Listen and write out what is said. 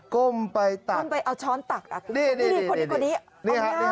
ก้มไปตัก